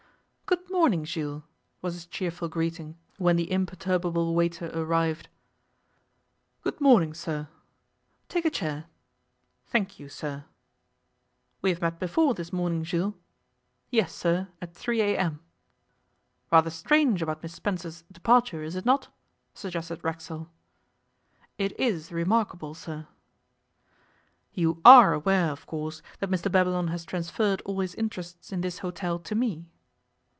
'Good morning, Jules,' was his cheerful greeting, when the imperturbable waiter arrived. 'Good morning, sir.' 'Take a chair.' 'Thank you, sir.' 'We have met before this morning, Jules.' 'Yes, sir, at 3 a.m.' 'Rather strange about Miss Spencer's departure, is it not?' suggested Racksole. 'It is remarkable, sir.' 'You are aware, of course, that Mr Babylon has transferred all his interests in this hotel to me?